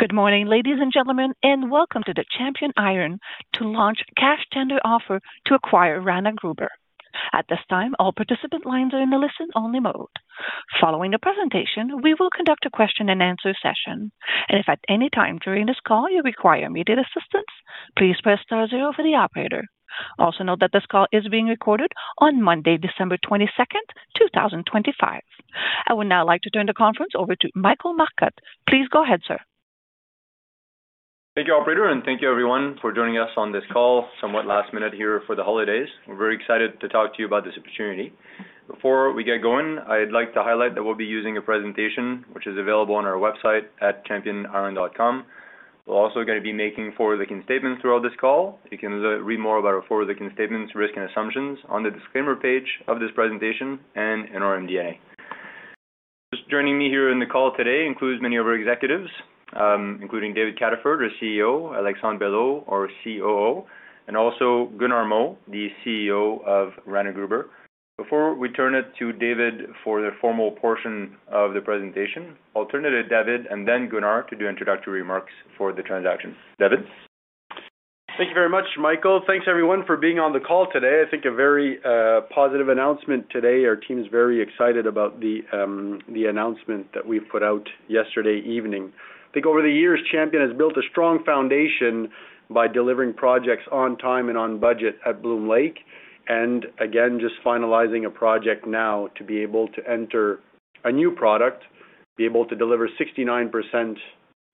Good morning, ladies and gentlemen, and welcome to the Champion Iron to Launch Cash Tender Offer to Acquire Rana Gruber. At this time, all participant lines are in the listen-only mode. Following the presentation, we will conduct a question-and-answer session. If at any time during this call you require immediate assistance, please press star zero for the operator. Also note that this call is being recorded on Monday, December 22nd, 2025. I would now like to turn the conference over to Michael Marcotte. Please go ahead, sir. Thank you, operator, and thank you, everyone, for joining us on this call. Somewhat last minute here for the holidays. We're very excited to talk to you about this opportunity. Before we get going, I'd like to highlight that we'll be using a presentation which is available on our website at championiron.com. We're also going to be making forward-looking statements throughout this call. You can read more about our forward-looking statements, risk, and assumptions on the disclaimer page of this presentation and in our MDA. Joining me here in the call today includes many of our executives, including David Cataford, our CEO; Alexandre Belleau, our COO; and also Gunnar Moe, the CEO of Rana Gruber. Before we turn it to David for the formal portion of the presentation, I'll turn it to David and then Gunnar to do introductory remarks for the transaction. David? Thank you very much, Michael. Thanks, everyone, for being on the call today. I think a very positive announcement today. Our team is very excited about the announcement that we put out yesterday evening. I think over the years, Champion has built a strong foundation by delivering projects on time and on budget at Bloom Lake and, again, just finalizing a project now to be able to enter a new product, be able to deliver 69%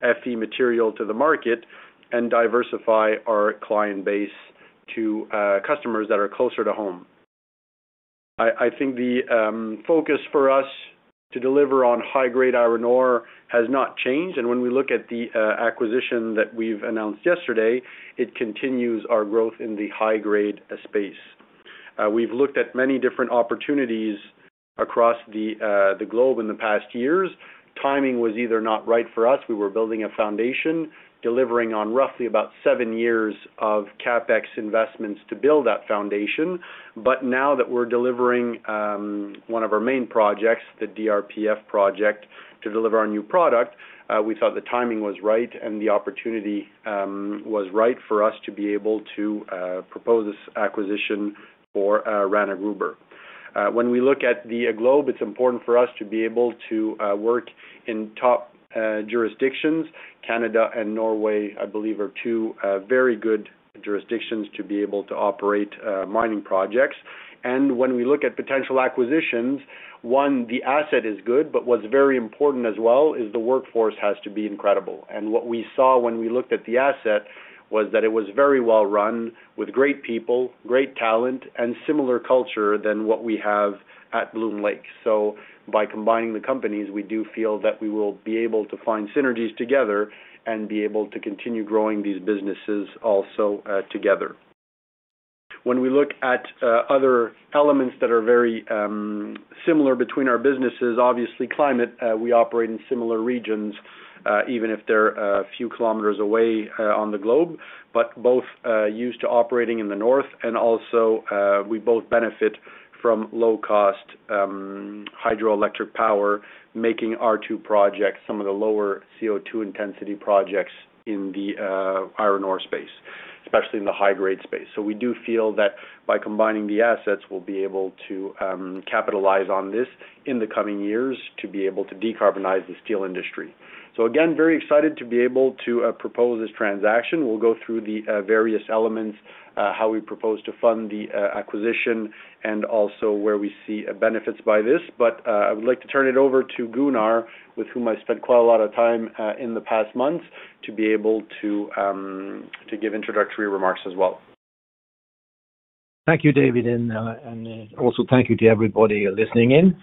Fe material to the market, and diversify our client base to customers that are closer to home. I think the focus for us to deliver on high-grade iron ore has not changed, and when we look at the acquisition that we've announced yesterday, it continues our growth in the high-grade space. We've looked at many different opportunities across the globe in the past years. Timing was either not right for us. We were building a foundation, delivering on roughly about seven years of CapEx investments to build that foundation. But now that we're delivering one of our main projects, the DRPF project, to deliver our new product, we thought the timing was right and the opportunity was right for us to be able to propose this acquisition for Rana Gruber. When we look at the globe, it's important for us to be able to work in top jurisdictions. Canada and Norway, I believe, are two very good jurisdictions to be able to operate mining projects. And when we look at potential acquisitions, one, the asset is good, but what's very important as well is the workforce has to be incredible. And what we saw when we looked at the asset was that it was very well run, with great people, great talent, and similar culture than what we have at Bloom Lake. So by combining the companies, we do feel that we will be able to find synergies together and be able to continue growing these businesses also together. When we look at other elements that are very similar between our businesses, obviously climate. We operate in similar regions, even if they're a few kilometers away on the globe, but both used to operating in the north, and also we both benefit from low-cost hydroelectric power, making our two projects some of the lower CO2 intensity projects in the iron ore space, especially in the high-grade space. So we do feel that by combining the assets, we'll be able to capitalize on this in the coming years to be able to decarbonize the steel industry. So again, very excited to be able to propose this transaction. We'll go through the various elements, how we propose to fund the acquisition, and also where we see benefits by this. But I would like to turn it over to Gunnar, with whom I spent quite a lot of time in the past months, to be able to give introductory remarks as well. Thank you, David, and also thank you to everybody listening in.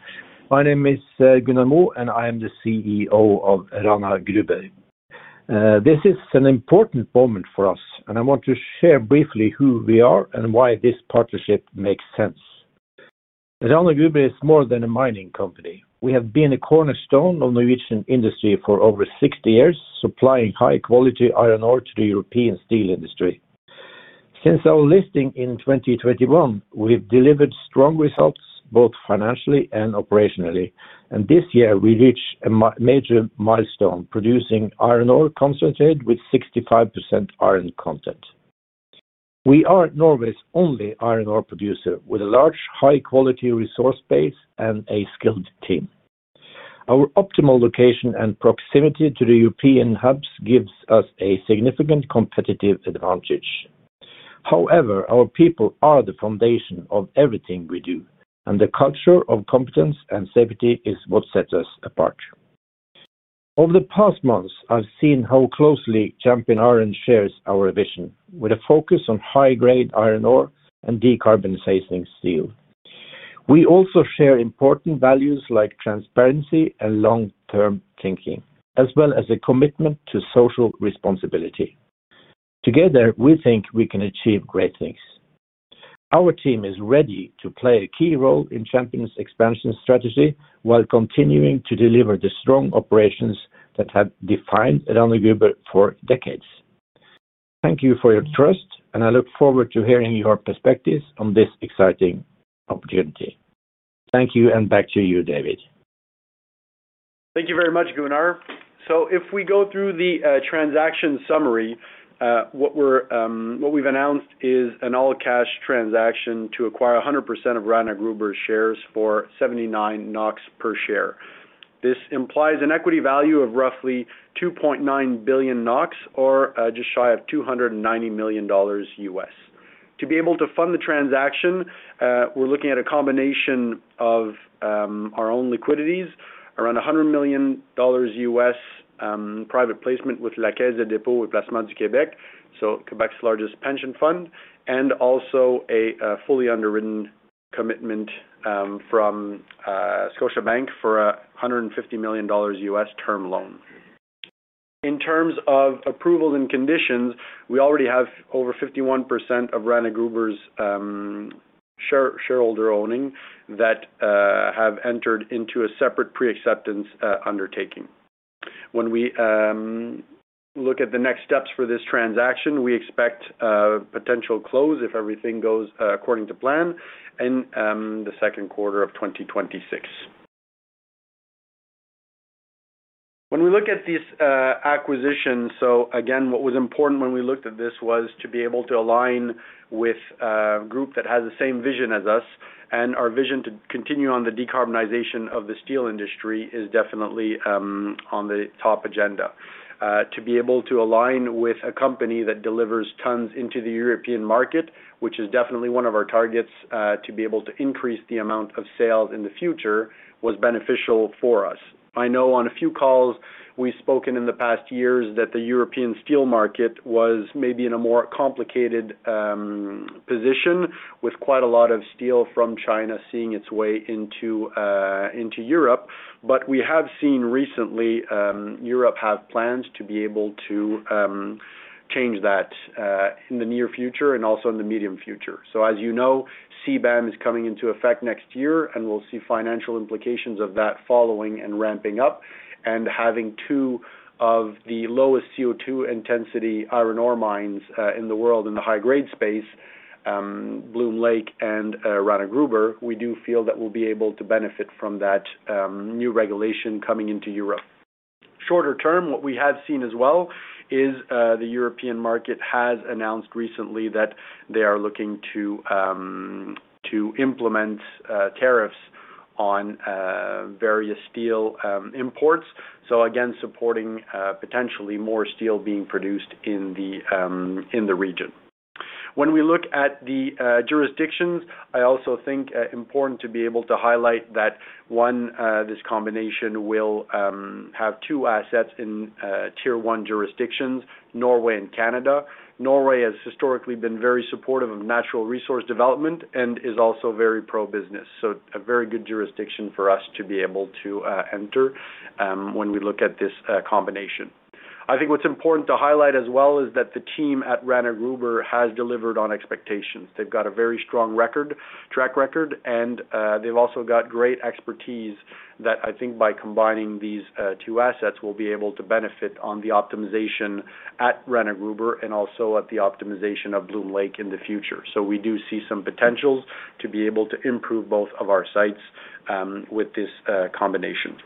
My name is Gunnar Moe, and I am the CEO of Rana Gruber. This is an important moment for us, and I want to share briefly who we are and why this partnership makes sense. Rana Gruber is more than a mining company. We have been a cornerstone of Norwegian industry for over 60 years, supplying high-quality iron ore to the European steel industry. Since our listing in 2021, we've delivered strong results both financially and operationally. And this year, we reached a major milestone, producing iron ore concentrate with 65% iron content. We are Norway's only iron ore producer with a large, high-quality resource base and a skilled team. Our optimal location and proximity to the European hubs gives us a significant competitive advantage. However, our people are the foundation of everything we do, and the culture of competence and safety is what sets us apart. Over the past months, I've seen how closely Champion Iron shares our vision with a focus on high-grade iron ore and decarbonizing steel. We also share important values like transparency and long-term thinking, as well as a commitment to social responsibility. Together, we think we can achieve great things. Our team is ready to play a key role in Champion's expansion strategy while continuing to deliver the strong operations that have defined Rana Gruber for decades. Thank you for your trust, and I look forward to hearing your perspectives on this exciting opportunity. Thank you, and back to you, David. Thank you very much, Gunnar. So if we go through the transaction summary, what we've announced is an all-cash transaction to acquire 100% of Rana Gruber's shares for 79 NOK per share. This implies an equity value of roughly 2.9 billion NOK, or just shy of $290 million USD. To be able to fund the transaction, we're looking at a combination of our own liquidities, around $100 million USD private placement with Caisse de dépôt et placement du Québec, so Québec's largest pension fund, and also a fully underwritten commitment from Scotiabank for a $150 million USD term loan. In terms of approvals and conditions, we already have over 51% of Rana Gruber's shareholder owning that have entered into a separate pre-acceptance undertaking. When we look at the next steps for this transaction, we expect potential close if everything goes according to plan in the second quarter of 2026. When we look at these acquisitions, so again, what was important when we looked at this was to be able to align with a group that has the same vision as us, and our vision to continue on the decarbonization of the steel industry is definitely on the top agenda. To be able to align with a company that delivers tons into the European market, which is definitely one of our targets, to be able to increase the amount of sales in the future was beneficial for us. I know on a few calls we've spoken in the past years that the European steel market was maybe in a more complicated position with quite a lot of steel from China seeing its way into Europe, but we have seen recently Europe have plans to be able to change that in the near future and also in the medium future. So as you know, CBAM is coming into effect next year, and we'll see financial implications of that following and ramping up. And having two of the lowest CO2 intensity iron ore mines in the world in the high-grade space, Bloom Lake and Rana Gruber, we do feel that we'll be able to benefit from that new regulation coming into Europe. Shorter term, what we have seen as well is the European market has announced recently that they are looking to implement tariffs on various steel imports. So again, supporting potentially more steel being produced in the region. When we look at the jurisdictions, I also think it's important to be able to highlight that, one, this combination will have two assets in tier one jurisdictions, Norway and Canada. Norway has historically been very supportive of natural resource development and is also very pro-business. A very good jurisdiction for us to be able to enter when we look at this combination. I think what's important to highlight as well is that the team at Rana Gruber has delivered on expectations. They've got a very strong track record, and they've also got great expertise that I think by combining these two assets, we'll be able to benefit on the optimization at Rana Gruber and also at the optimization of Bloom Lake in the future. We do see some potentials to be able to improve both of our sites with this combination.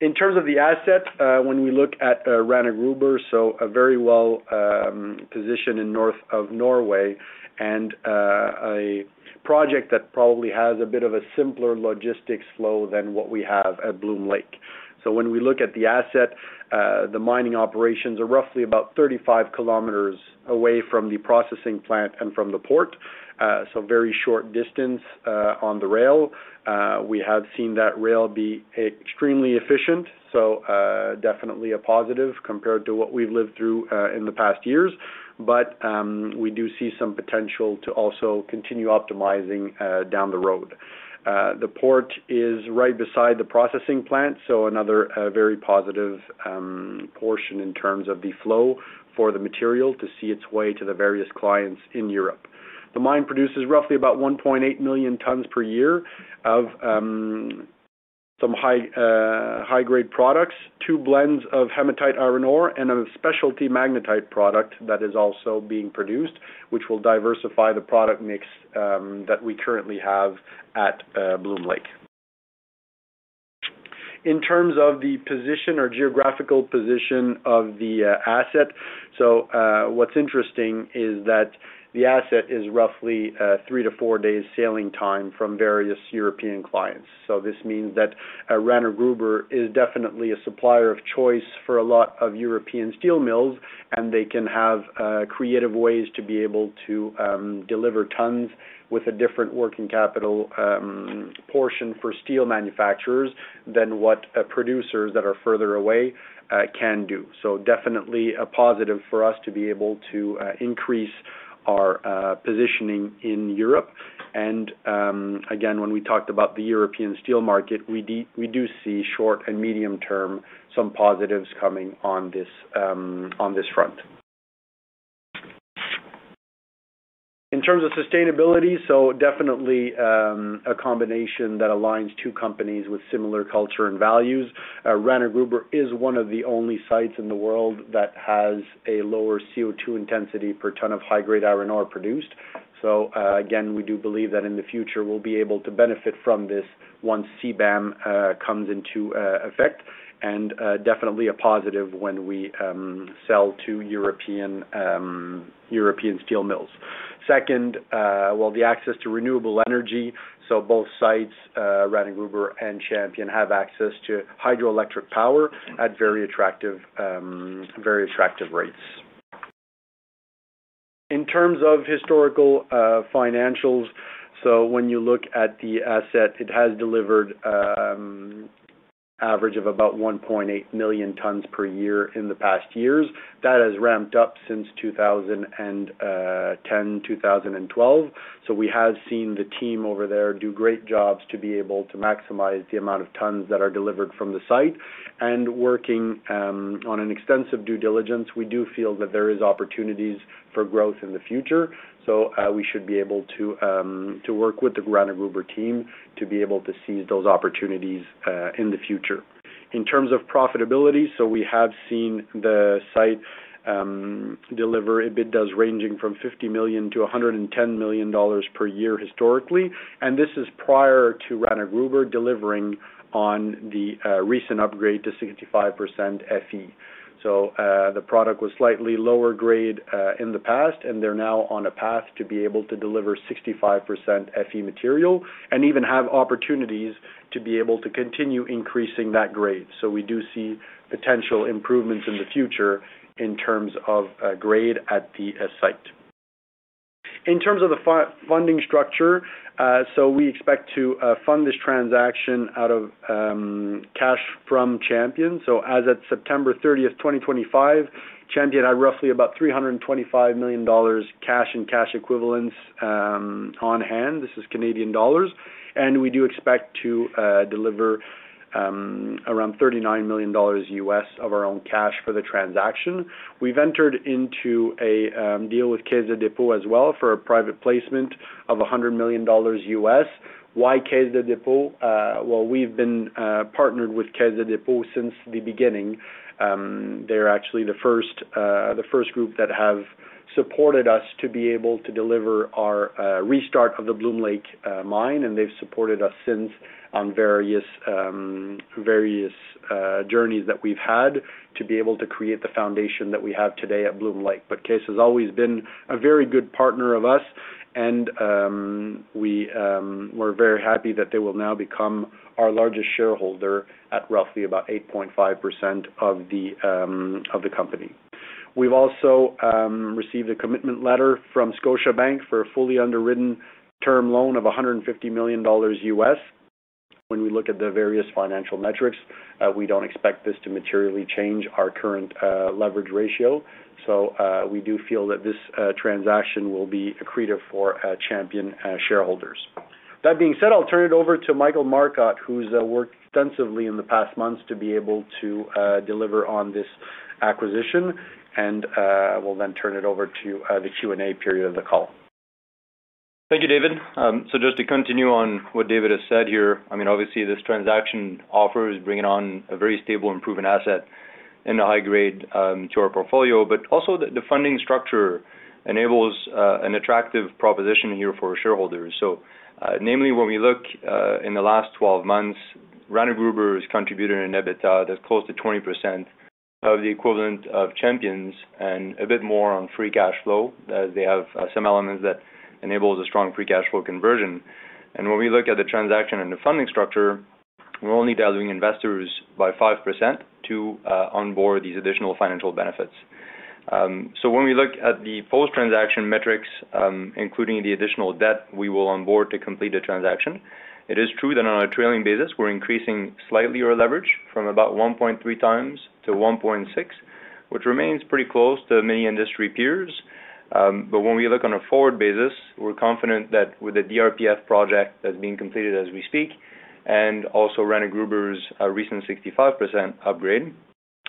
In terms of the asset, when we look at Rana Gruber, a very well-positioned in north of Norway and a project that probably has a bit of a simpler logistics flow than what we have at Bloom Lake. When we look at the asset, the mining operations are roughly about 35 km away from the processing plant and from the port, so very short distance on the rail. We have seen that rail be extremely efficient, so definitely a positive compared to what we've lived through in the past years. But we do see some potential to also continue optimizing down the road. The port is right beside the processing plant, so another very positive portion in terms of the flow for the material to see its way to the various clients in Europe. The mine produces roughly about 1.8 million tons per year of some high-grade products, two blends of hematite iron ore, and a specialty magnetite product that is also being produced, which will diversify the product mix that we currently have at Bloom Lake. In terms of the position or geographical position of the asset, so what's interesting is that the asset is roughly three to four days sailing time from various European clients, so this means that Rana Gruber is definitely a supplier of choice for a lot of European steel mills, and they can have creative ways to be able to deliver tons with a different working capital portion for steel manufacturers than what producers that are further away can do, so definitely a positive for us to be able to increase our positioning in Europe, and again, when we talked about the European steel market, we do see short and medium-term some positives coming on this front. In terms of sustainability, so definitely a combination that aligns two companies with similar culture and values. Rana Gruber is one of the only sites in the world that has a lower CO2 intensity per ton of high-grade iron ore produced. So again, we do believe that in the future, we'll be able to benefit from this once CBAM comes into effect, and definitely a positive when we sell to European steel mills. Second, well, the access to renewable energy. So both sites, Rana Gruber and Champion, have access to hydroelectric power at very attractive rates. In terms of historical financials, so when you look at the asset, it has delivered an average of about 1.8 million tons per year in the past years. That has ramped up since 2010, 2012. So we have seen the team over there do great jobs to be able to maximize the amount of tons that are delivered from the site. Working on an extensive due diligence, we do feel that there are opportunities for growth in the future. We should be able to work with the Rana Gruber team to be able to seize those opportunities in the future. In terms of profitability, we have seen the site deliver EBITDA ranging from $50-$110 million per year historically. This is prior to Rana Gruber delivering on the recent upgrade to 65% Fe. The product was slightly lower grade in the past, and they're now on a path to be able to deliver 65% Fe material and even have opportunities to be able to continue increasing that grade. We do see potential improvements in the future in terms of grade at the site. In terms of the funding structure, we expect to fund this transaction out of cash from Champion. As of September 30th, 2025, Champion had roughly about 325 million dollars cash and cash equivalents on hand. This is Canadian dollars. We do expect to deliver around $39 million of our own cash for the transaction. We've entered into a deal with Caisse de dépôt as well for a private placement of $100 million. Why Caisse de dépôt? Well, we've been partnered with Caisse de dépôt since the beginning. They're actually the first group that have supported us to be able to deliver our restart of the Bloom Lake mine. They've supported us since on various journeys that we've had to be able to create the foundation that we have today at Bloom Lake. But Caisse has always been a very good partner of us, and we're very happy that they will now become our largest shareholder at roughly about 8.5% of the company. We've also received a commitment letter from Scotiabank for a fully underwritten term loan of $150 million. When we look at the various financial metrics, we don't expect this to materially change our current leverage ratio, so we do feel that this transaction will be accretive for Champion shareholders. That being said, I'll turn it over to Michael Marcotte, who's worked extensively in the past months to be able to deliver on this acquisition, and we'll then turn it over to the Q&A period of the call. Thank you, David. So just to continue on what David has said here, I mean, obviously, this transaction offers bringing on a very stable, improving asset in a high-grade to our portfolio. But also the funding structure enables an attractive proposition here for shareholders. So namely, when we look in the last 12 months, Rana Gruber has contributed an EBITDA that's close to 20% of the equivalent of Champion's and a bit more on free cash flow as they have some elements that enable a strong free cash flow conversion. And when we look at the transaction and the funding structure, we're only diluting investors by 5% to onboard these additional financial benefits. So when we look at the post-transaction metrics, including the additional debt we will onboard to complete the transaction, it is true that on a trailing basis, we're increasing slightly our leverage from about 1.3 times to 1.6, which remains pretty close to many industry peers. But when we look on a forward basis, we're confident that with the DRPF Project that's being completed as we speak and also Rana Gruber's recent 65% upgrade,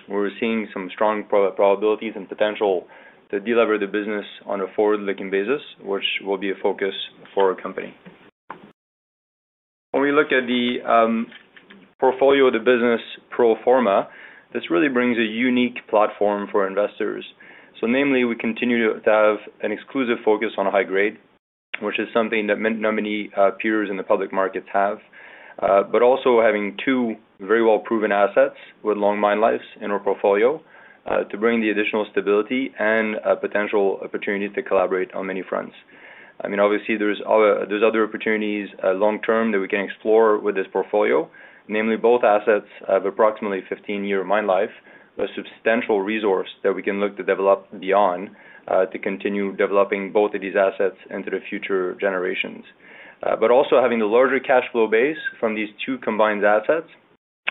we're seeing some strong probabilities and potential to deliver the business on a forward-looking basis, which will be a focus for our company. When we look at the portfolio of the business pro forma, this really brings a unique platform for investors. So, namely, we continue to have an exclusive focus on high grade, which is something that many peers in the public markets have, but also having two very well-proven assets with long mine lives in our portfolio to bring the additional stability and potential opportunity to collaborate on many fronts. I mean, obviously, there's other opportunities long-term that we can explore with this portfolio. Namely, both assets have approximately 15-year mine life, a substantial resource that we can look to develop beyond to continue developing both of these assets into the future generations. But also having the larger cash flow base from these two combined assets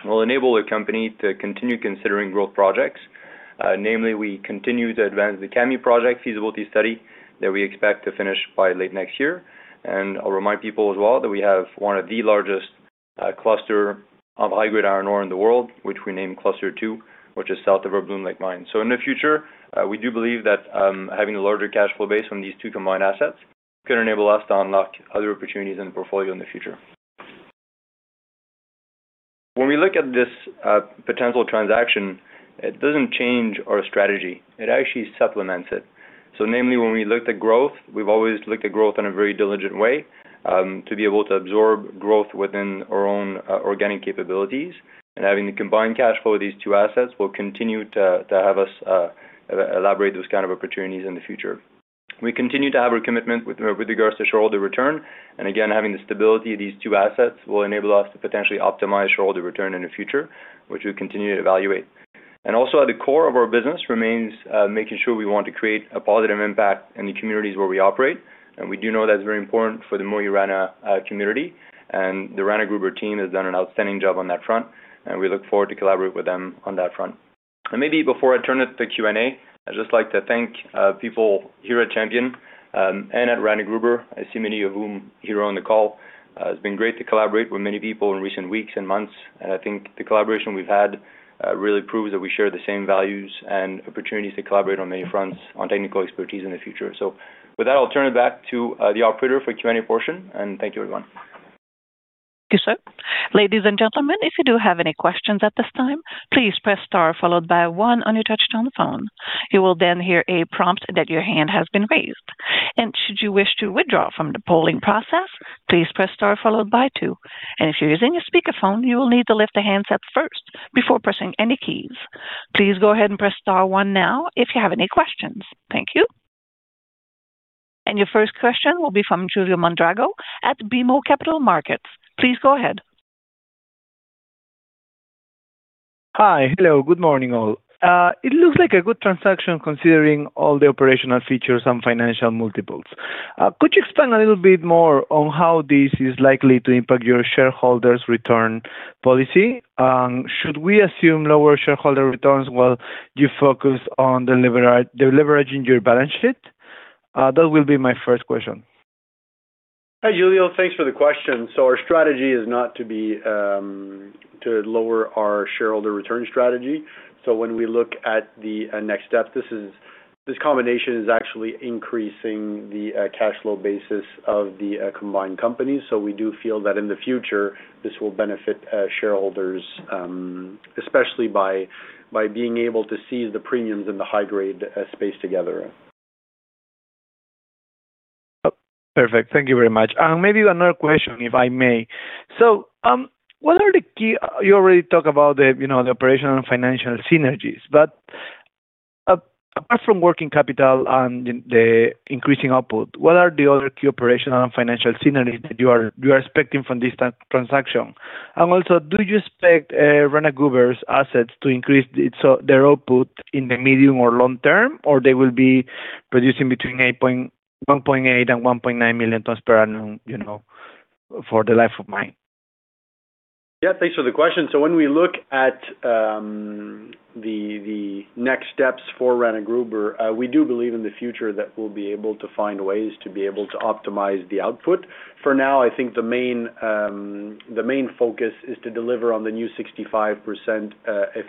will enable the company to continue considering growth projects. Namely, we continue to advance the Kami project feasibility study that we expect to finish by late next year. I'll remind people as well that we have one of the largest clusters of high-grade iron ore in the world, which we name Cluster 2, which is south of our Bloom Lake mine. In the future, we do believe that having a larger cash flow base on these two combined assets can enable us to unlock other opportunities in the portfolio in the future. When we look at this potential transaction, it doesn't change our strategy. It actually supplements it. Namely, when we look at growth, we've always looked at growth in a very diligent way to be able to absorb growth within our own organic capabilities. Having the combined cash flow of these two assets will continue to have us elaborate those kind of opportunities in the future. We continue to have our commitment with regards to shareholder return. And again, having the stability of these two assets will enable us to potentially optimize shareholder return in the future, which we continue to evaluate. And also at the core of our business remains making sure we want to create a positive impact in the communities where we operate. And we do know that's very important for the Mo i Rana community. And the Rana Gruber team has done an outstanding job on that front. And we look forward to collaborate with them on that front. And maybe before I turn it to Q&A, I'd just like to thank people here at Champion and at Rana Gruber. I see many of whom here on the call. It's been great to collaborate with many people in recent weeks and months. I think the collaboration we've had really proves that we share the same values and opportunities to collaborate on many fronts on technical expertise in the future. With that, I'll turn it back to the operator for the Q&A portion. Thank you, everyone. Thank you, sir. Ladies and gentlemen, if you do have any questions at this time, please press star followed by one on your touch-tone phone. You will then hear a prompt that your hand has been raised. Should you wish to withdraw from the polling process, please press star followed by two. If you're using a speakerphone, you will need to lift the handset up first before pressing any keys. Please go ahead and press star one now if you have any questions. Thank you. Your first question will be from Julio Mondragon at BMO Capital Markets. Please go ahead. Hi, hello, good morning all. It looks like a good transaction considering all the operational features and financial multiples. Could you explain a little bit more on how this is likely to impact your shareholders' return policy? Should we assume lower shareholder returns while you focus on delivering your balance sheet? That will be my first question. Hi, Julio. Thanks for the question. So our strategy is not to lower our shareholder return strategy. So when we look at the next step, this combination is actually increasing the cash flow basis of the combined companies. So we do feel that in the future, this will benefit shareholders, especially by being able to seize the premiums in the high-grade space together. Perfect. Thank you very much. Maybe another question, if I may. So what are the key you already talked about the operational and financial synergies, but apart from working capital and the increasing output, what are the other key operational and financial synergies that you are expecting from this transaction? And also, do you expect Rana Gruber's assets to increase their output in the medium or long term, or they will be producing between 1.8 and 1.9 million tons per annum for the life of mine? Yeah, thanks for the question. So when we look at the next steps for Rana Gruber, we do believe in the future that we'll be able to find ways to be able to optimize the output. For now, I think the main focus is to deliver on the new 65%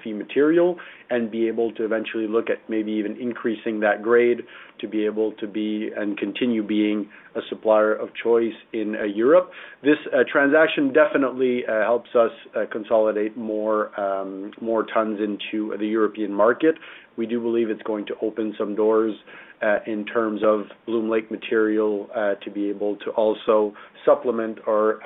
Fe material and be able to eventually look at maybe even increasing that grade to be able to be and continue being a supplier of choice in Europe. This transaction definitely helps us consolidate more tons into the European market. We do believe it's going to open some doors in terms of Bloom Lake material to be able to also supplement or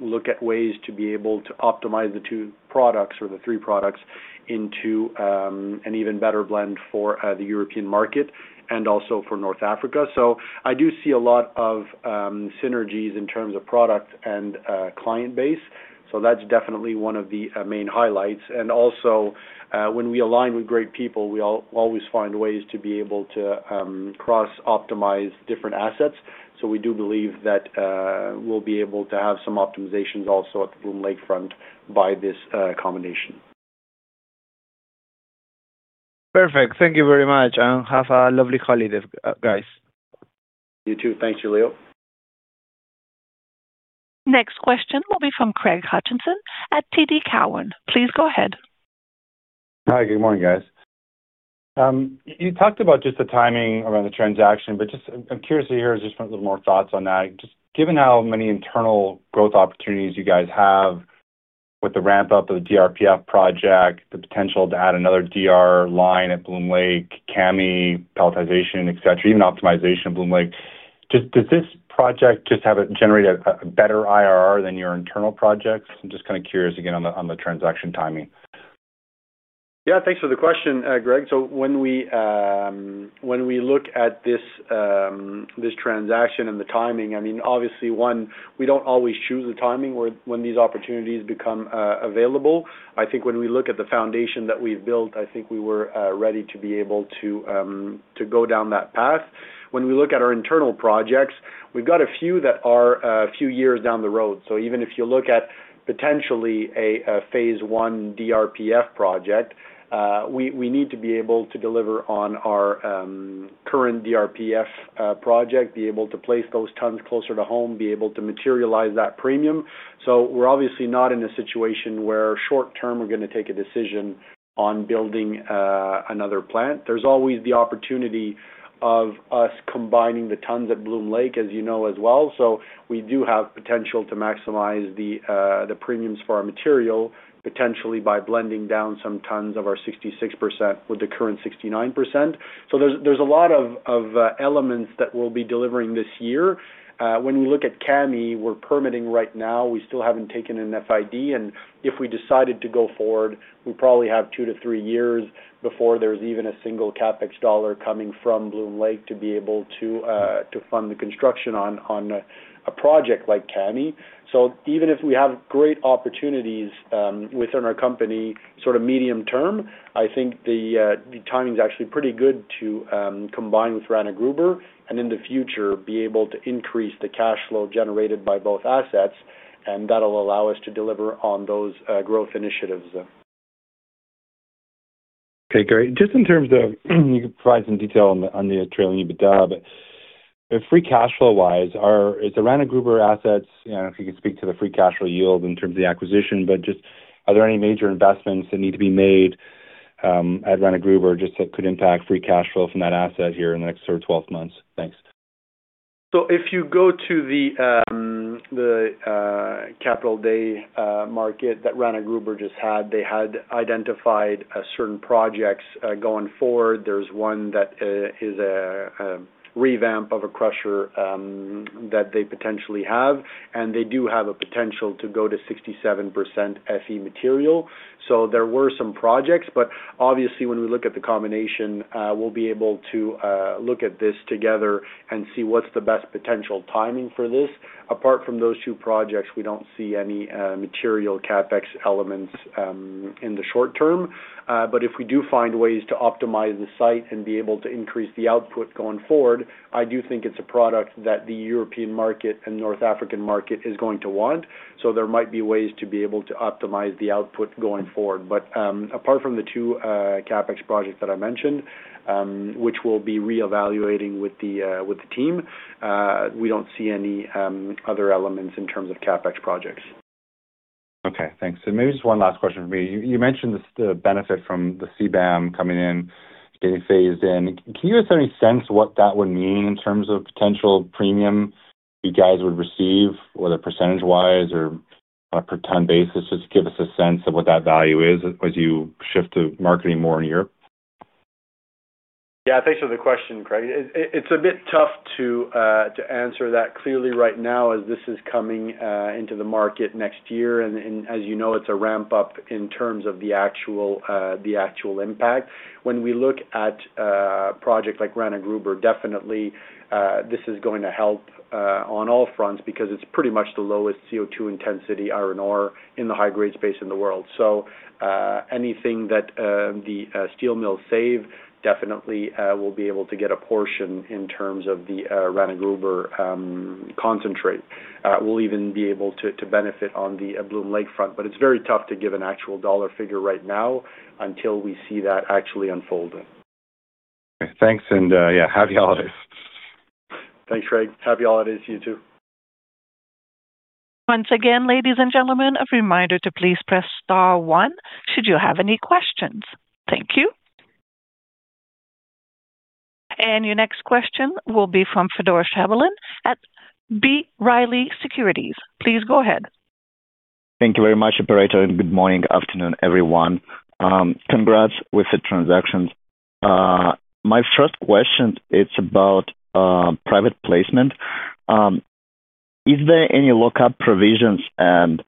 look at ways to be able to optimize the two products or the three products into an even better blend for the European market and also for North Africa. So I do see a lot of synergies in terms of product and client base. So that's definitely one of the main highlights. And also, when we align with great people, we always find ways to be able to cross-optimize different assets. So we do believe that we'll be able to have some optimizations also at the Bloom Lake front by this combination. Perfect. Thank you very much and have a lovely holiday, guys. You too. Thank you, Julio. Next question will be from Craig Hutchison at TD Cowen. Please go ahead. Hi, good morning, guys. You talked about just the timing around the transaction, but just, I'm curious to hear just a little more thoughts on that. Just given how many internal growth opportunities you guys have with the ramp-up of the DRPF project, the potential to add another DR line at Bloom Lake, Kami, pelletization, etc., even optimization of Bloom Lake, does this project just have it generate a better IRR than your internal projects? I'm just kind of curious again on the transaction timing. Yeah, thanks for the question, Greg. So when we look at this transaction and the timing, I mean, obviously, one, we don't always choose the timing when these opportunities become available. I think when we look at the foundation that we've built, I think we were ready to be able to go down that path. When we look at our internal projects, we've got a few that are a few years down the road. So even if you look at potentially a phase one DRPF project, we need to be able to deliver on our current DRPF project, be able to place those tons closer to home, be able to materialize that premium. So we're obviously not in a situation where short-term we're going to take a decision on building another plant. There's always the opportunity of us combining the tons at Bloom Lake, as you know, as well. So we do have potential to maximize the premiums for our material, potentially by blending down some tons of our 66% with the current 69%. So there's a lot of elements that we'll be delivering this year. When we look at Kami, we're permitting right now. We still haven't taken an FID. And if we decided to go forward, we probably have two to three years before there's even a single CapEx dollar coming from Bloom Lake to be able to fund the construction on a project like Kami. So even if we have great opportunities within our company sort of medium term, I think the timing is actually pretty good to combine with Rana Gruber and in the future be able to increase the cash flow generated by both assets. And that'll allow us to deliver on those growth initiatives. Okay, great. Just in terms of you can provide some detail on the trailing EBITDA, but free cash flow-wise, is the Rana Gruber assets, if you can speak to the free cash flow yield in terms of the acquisition, but just are there any major investments that need to be made at Rana Gruber just that could impact free cash flow from that asset here in the next sort of 12 months? Thanks. So if you go to the Capital Markets Day that Rana Gruber just had, they had identified certain projects going forward. There's one that is a revamp of a crusher that they potentially have. And they do have a potential to go to 67% Fe material. So there were some projects. But obviously, when we look at the combination, we'll be able to look at this together and see what's the best potential timing for this. Apart from those two projects, we don't see any material CapEx elements in the short term. But if we do find ways to optimize the site and be able to increase the output going forward, I do think it's a product that the European market and North African market is going to want. So there might be ways to be able to optimize the output going forward. But apart from the two CapEx projects that I mentioned, which we'll be re-evaluating with the team, we don't see any other elements in terms of CapEx projects. Okay, thanks. And maybe just one last question for me. You mentioned the benefit from the CBAM coming in, getting phased in. Can you give us any sense of what that would mean in terms of potential premium you guys would receive, whether percentage-wise or on a per ton basis? Just give us a sense of what that value is as you shift to marketing more in Europe. Yeah, thanks for the question, Craig. It's a bit tough to answer that clearly right now as this is coming into the market next year. And as you know, it's a ramp-up in terms of the actual impact. When we look at a project like Rana Gruber, definitely this is going to help on all fronts because it's pretty much the lowest CO2 intensity iron ore in the high-grade space in the world. So anything that the steel mills save, definitely we'll be able to get a portion in terms of the Rana Gruber concentrate. We'll even be able to benefit on the Bloom Lake front. But it's very tough to give an actual dollar figure right now until we see that actually unfold. Okay, thanks, and yeah, happy holidays. Thanks, Craig. Happy holidays to you too. Once again, ladies and gentlemen, a reminder to please press star one should you have any questions. Thank you. And your next question will be from Fedor Shabalin at B. Riley Securities. Please go ahead. Thank you very much, Operator. And good morning, afternoon, everyone. Congrats with the transactions. My first question, it's about private placement. Is there any lock-up provisions and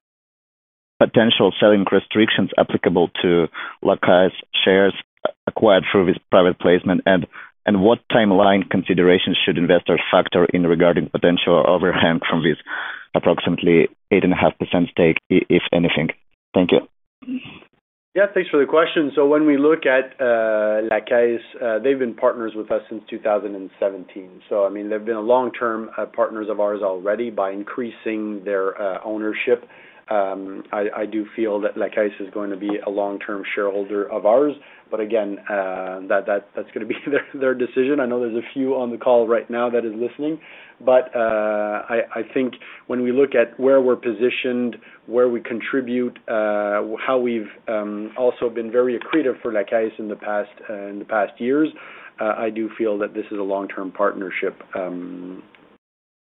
potential selling restrictions applicable to La Caisse shares acquired through this private placement? And what timeline considerations should investors factor in regarding potential overhang from this approximately 8.5% stake, if anything? Thank you. Yeah, thanks for the question. So when we look at La Caisse, they've been partners with us since 2017. So I mean, they've been a long-term partners of ours already by increasing their ownership. I do feel that La Caisse is going to be a long-term shareholder of ours. But again, that's going to be their decision. I know there's a few on the call right now that are listening. But I think when we look at where we're positioned, where we contribute, how we've also been very accretive for La Caisse in the past years, I do feel that this is a long-term partnership.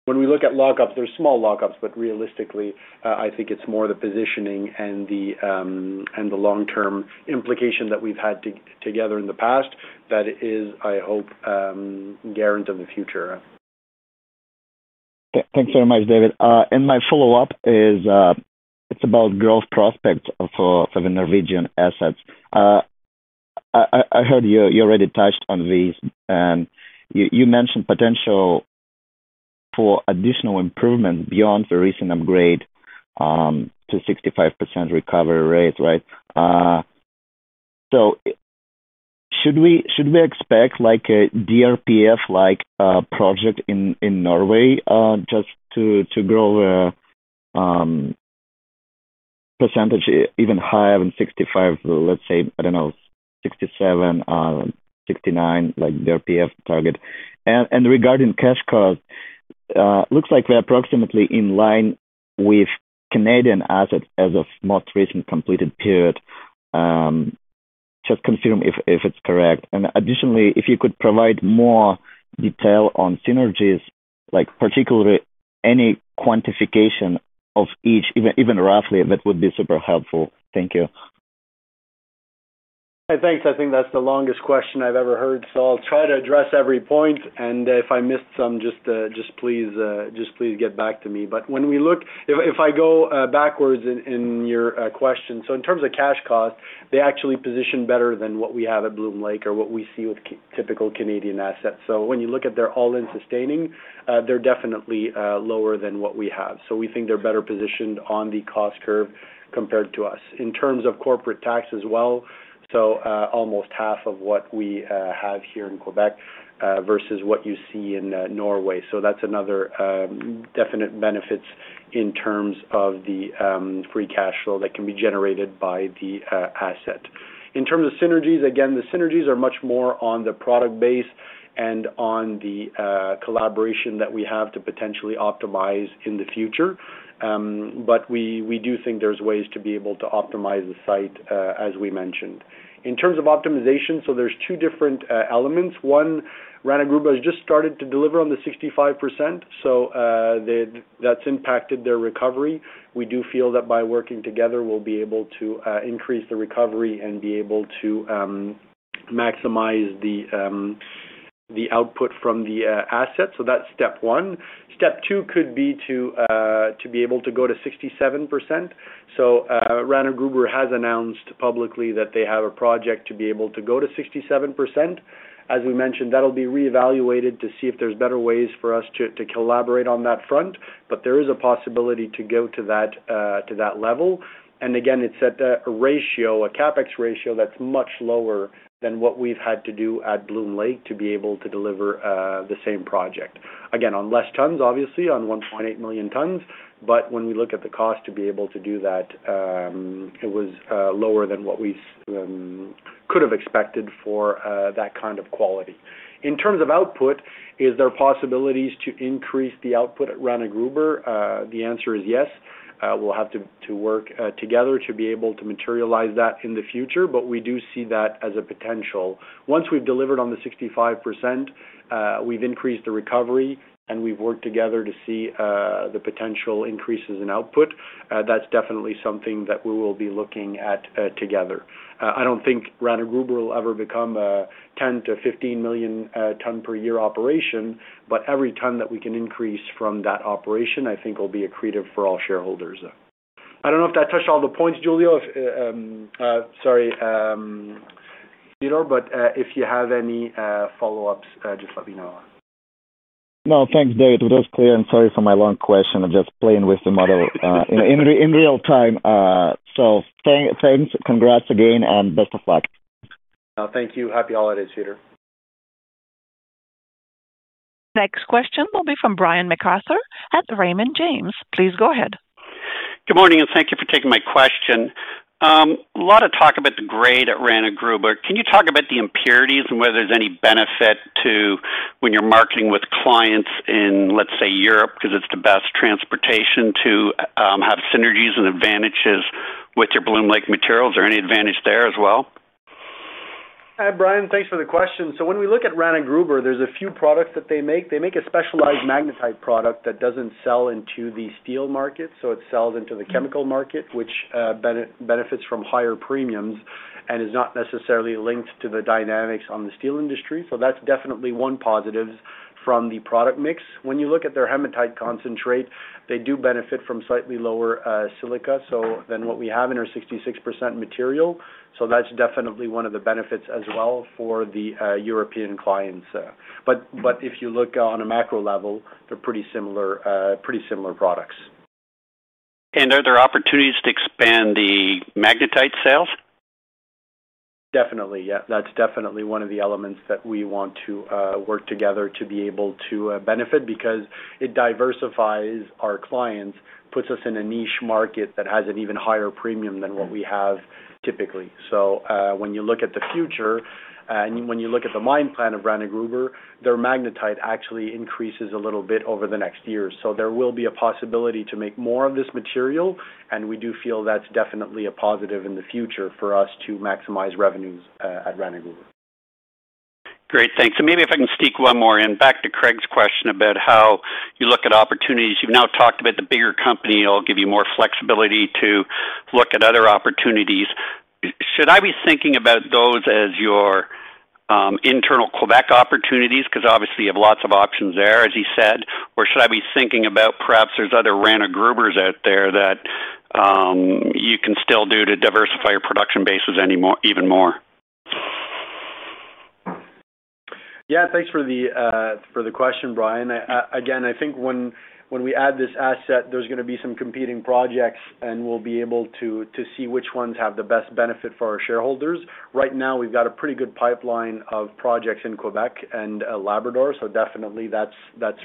When we look at lock-ups, there's small lock-ups, but realistically, I think it's more the positioning and the long-term implication that we've had together in the past that is, I hope, guaranteed in the future. Thanks very much, David. And my follow-up is about growth prospects for the Norwegian assets. I heard you already touched on these. And you mentioned potential for additional improvements beyond the recent upgrade to 65% recovery rate, right? So should we expect a DRPF-like project in Norway just to grow a percentage even higher than 65, let's say, I don't know, 67, 69, like DRPF target? And regarding cash cost, it looks like we're approximately in line with Canadian assets as of most recent completed period. Just confirm if it's correct. And additionally, if you could provide more detail on synergies, particularly any quantification of each, even roughly, that would be super helpful. Thank you. Thanks. I think that's the longest question I've ever heard. So I'll try to address every point. And if I missed some, just please get back to me. But when we look, if I go backwards in your question, so in terms of cash cost, they actually position better than what we have at Bloom Lake or what we see with typical Canadian assets. So when you look at their All-in Sustaining, they're definitely lower than what we have. So we think they're better positioned on the cost curve compared to us. In terms of corporate tax as well, so almost half of what we have here in Quebec versus what you see in Norway. So that's another definite benefit in terms of the free cash flow that can be generated by the asset. In terms of synergies, again, the synergies are much more on the product base and on the collaboration that we have to potentially optimize in the future. But we do think there's ways to be able to optimize the site, as we mentioned. In terms of optimization, there are two different elements. One, Rana Gruber has just started to deliver on the 65%. That's impacted their recovery. We do feel that by working together, we'll be able to increase the recovery and be able to maximize the output from the assets. That's step one. Step two could be to be able to go to 67%. Rana Gruber has announced publicly that they have a project to be able to go to 67%. As we mentioned, that'll be re-evaluated to see if there's better ways for us to collaborate on that front. But there is a possibility to go to that level. And again, it's at a ratio, a CapEx ratio that's much lower than what we've had to do at Bloom Lake to be able to deliver the same project. Again, on less tons, obviously, on 1.8 million tons. But when we look at the cost to be able to do that, it was lower than what we could have expected for that kind of quality. In terms of output, is there possibilities to increase the output at Rana Gruber? The answer is yes. We'll have to work together to be able to materialize that in the future. But we do see that as a potential. Once we've delivered on the 65%, we've increased the recovery, and we've worked together to see the potential increases in output. That's definitely something that we will be looking at together. I don't think Rana Gruber will ever become a 10 to 15 million ton per year operation. But every ton that we can increase from that operation, I think will be accretive for all shareholders. I don't know if that touched all the points, Julio. Sorry, Theodore, but if you have any follow-ups, just let me know. No, thanks, David. It was clear, and sorry for my long question. I'm just playing with the model in real time, so thanks. Congrats again, and best of luck. Thank you. Happy holidays, Fedor. Next question will be from Brian MacArthur at Raymond James. Please go ahead. Good morning, and thank you for taking my question. A lot of talk about the grade at Rana Gruber. Can you talk about the impurities and whether there's any benefit when you're marketing with clients in, let's say, Europe because it's the best transportation to have synergies and advantages with your Bloom Lake materials? Is there any advantage there as well? Hi, Brian. Thanks for the question. So when we look at Rana Gruber, there's a few products that they make. They make a specialized magnetite product that doesn't sell into the steel market. So it sells into the chemical market, which benefits from higher premiums and is not necessarily linked to the dynamics on the steel industry. So that's definitely one positive from the product mix. When you look at their hematite concentrate, they do benefit from slightly lower silica than what we have in our 66% material. So that's definitely one of the benefits as well for the European clients. But if you look on a macro level, they're pretty similar products. Are there opportunities to expand the magnetite sales? Definitely, yeah. That's definitely one of the elements that we want to work together to be able to benefit because it diversifies our clients, puts us in a niche market that has an even higher premium than what we have typically. So when you look at the future, and when you look at the mine plan of Rana Gruber, their magnetite actually increases a little bit over the next year. So there will be a possibility to make more of this material. And we do feel that's definitely a positive in the future for us to maximize revenues at Rana Gruber. Great, thanks. And maybe if I can sneak one more in back to Craig's question about how you look at opportunities. You've now talked about the bigger company. It'll give you more flexibility to look at other opportunities. Should I be thinking about those as your internal Quebec opportunities? Because obviously, you have lots of options there, as he said. Or should I be thinking about perhaps there's other Rana Grubers out there that you can still do to diversify your production bases even more? Yeah, thanks for the question, Brian. Again, I think when we add this asset, there's going to be some competing projects, and we'll be able to see which ones have the best benefit for our shareholders. Right now, we've got a pretty good pipeline of projects in Quebec and Labrador. So definitely, that's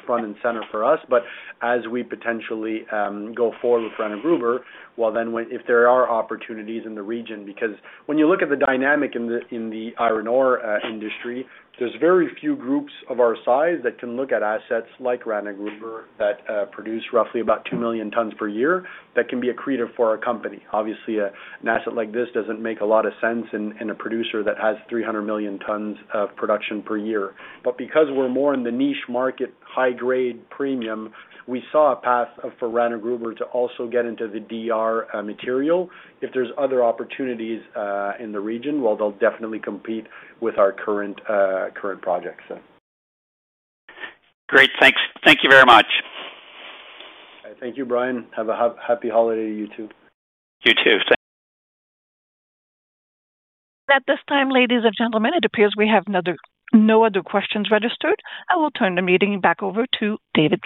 front and center for us. But as we potentially go forward with Rana Gruber, well, then if there are opportunities in the region because when you look at the dynamic in the iron ore industry, there's very few groups of our size that can look at assets like Rana Gruber that produce roughly about 2 million tons per year that can be accretive for our company. Obviously, an asset like this doesn't make a lot of sense in a producer that has 300 million tons of production per year. But because we're more in the niche market, high-grade premium, we saw a path for Rana Gruber to also get into the DR material. If there's other opportunities in the region, well, they'll definitely compete with our current projects. Great, thanks. Thank you very much. Thank you, Brian. Have a happy holiday to you too. You too. At this time, ladies and gentlemen, it appears we have no other questions registered. I will turn the meeting back over to David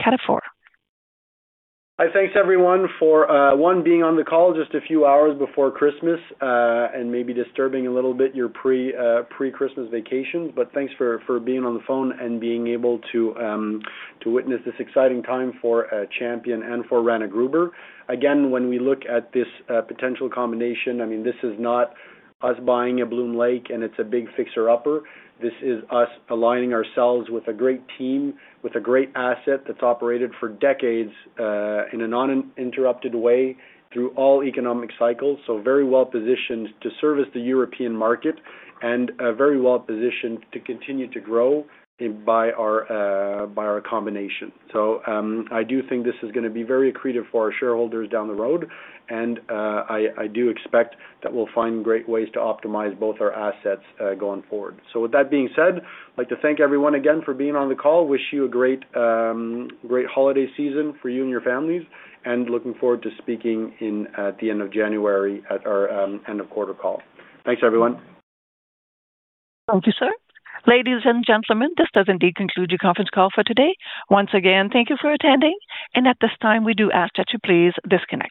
Cataford. Thanks, everyone, for one being on the call just a few hours before Christmas and maybe disturbing a little bit your pre-Christmas vacations. But thanks for being on the phone and being able to witness this exciting time for Champion and for Rana Gruber. Again, when we look at this potential combination, I mean, this is not us buying a Bloom Lake and it's a big fixer-upper. This is us aligning ourselves with a great team, with a great asset that's operated for decades in a non-interrupted way through all economic cycles. So very well positioned to service the European market and very well positioned to continue to grow by our combination. So I do think this is going to be very accretive for our shareholders down the road. And I do expect that we'll find great ways to optimize both our assets going forward. With that being said, I'd like to thank everyone again for being on the call. Wish you a great holiday season for you and your families. Looking forward to speaking at the end of January at our end-of-quarter call. Thanks, everyone. Thank you, sir. Ladies and gentlemen, this does indeed conclude your conference call for today. Once again, thank you for attending. And at this time, we do ask that you please disconnect.